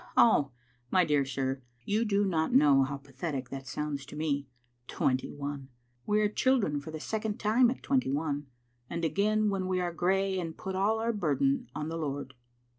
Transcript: Ah, my dear sir, you do not know how pathetic that sounds to me. Twenty one ! We are children for the second time at twenty one, and again when we are grey and put all our burden on the Lord.